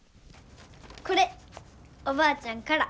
これおばあちゃんから。